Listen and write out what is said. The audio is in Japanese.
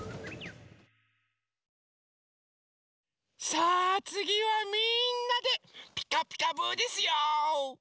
さあつぎはみんなで「ピカピカブ！」ですよ！